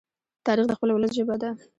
تاریخ د خپل ولس ژبه ده.